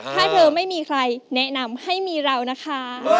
ถ้าเธอไม่มีใครแนะนำให้มีเรานะคะ